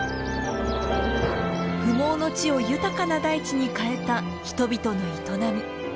不毛の地を豊かな大地に変えた人々の営み。